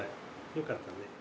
よかったね。